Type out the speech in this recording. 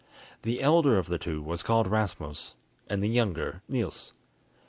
The elder of the two was called Rasmus, and the younger Niels.